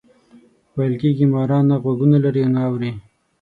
ویل کېږي ماران نه غوږونه لري او نه اوري.